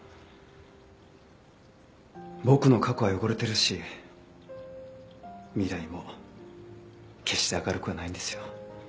僕の過去は汚れてるし未来も決して明るくはないんですよ。